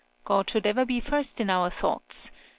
God should ever be first in our thoughts!